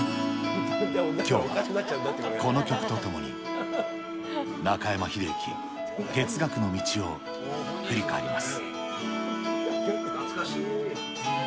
きょうはこの曲とともに、中山秀征、哲学の道を振り返ります。